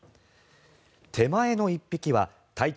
手前の１匹は体長